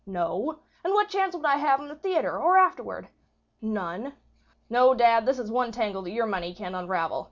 No. And what chance would I have in the theatre or afterward? None. No, dad, this is one tangle that your money can't unravel.